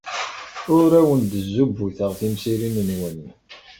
Ur awen-d-zzubuteɣ timsirin-nwen.